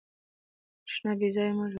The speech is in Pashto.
برېښنا بې ځایه مه لګوئ.